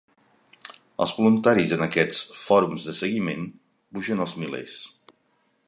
Els voluntaris en aquests "fòrums de seguiment" pugen als milers.